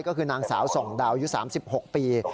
ก็คือนางสาวส่องดาวอายุ๓๖ปี